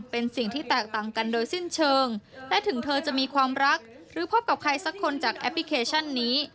เป็นสิ่งที่แตกต่างกันโดยสิ้นเชิงและถึงเธอจะมีความรักหรือพบกับใครสักคนจากแอปพลิเคชันนี้